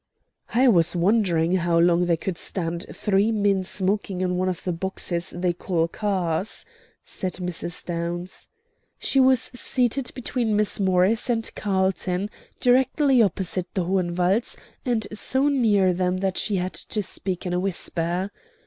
"I was wondering how long they could stand three men smoking in one of the boxes they call cars," said Mrs. Downs. She was seated between Miss Morris and Carlton, directly opposite the Hohenwalds, and so near them that she had to speak in a whisper.